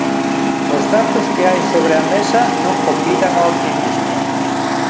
Os datos que hai sobre a mesa non convidan ao optimismo.